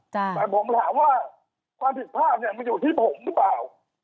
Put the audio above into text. แต่ผมถามว่าความผิดพลาดเนี่ยมันอยู่ที่ผมหรือเปล่า